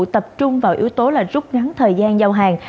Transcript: tập trung vào yếu tố là rút ngắn thời gian giao hàng